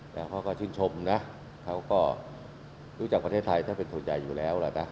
แต่เขาก็ชื่นชมนะเขาก็รู้จักประเทศไทยถ้าเป็นส่วนใหญ่อยู่แล้วล่ะนะ